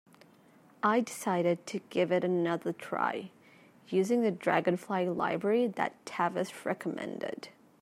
I decided to give it another try, using the Dragonfly library that Tavis recommended.